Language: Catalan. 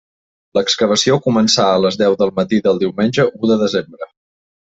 L'excavació començà a les deu del matí del diumenge u de desembre.